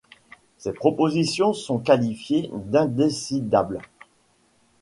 Ces propositions sont qualifiées d'indécidables.